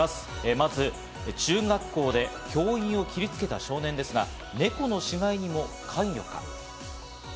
まず中学校で教員を切りつけた少年ですが、猫の死骸にも関与か？